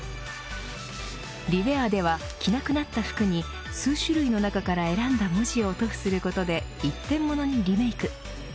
ＲＥＷＥＡＲでは着なくなった服に数種類の中から選んだ文字を塗布することで一点物にリメーク。